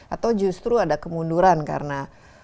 atau justru ada kemunduran karena